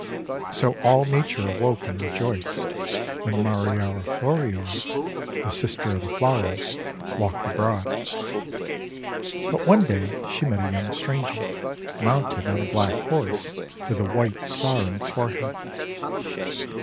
' So all Nature awoke and rejoiced, when Mari ora Floriora, the Sister of the Flowers, walked abroad. But one day she met a young stranger, mounted on a black horse with a white star in its forehead.